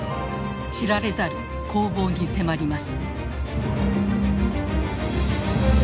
知られざる攻防に迫ります。